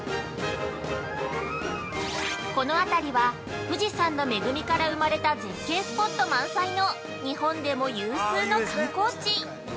このあたりは、富士山の恵みから生まれた絶景スポット満載の日本でも有数の観光地。